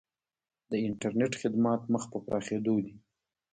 د انټرنیټ خدمات مخ په پراخیدو دي